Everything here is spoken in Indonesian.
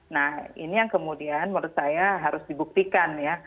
nah ini yang kemudian menurut saya harus dibuktikan ya